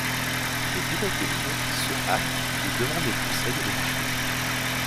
Des pilotes de ligne se hâtent de demander conseil à des boucheries.